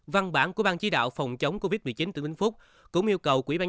văn bản của ban chí đạo phòng chống covid một mươi chín tỉnh vĩnh phúc cũng yêu cầu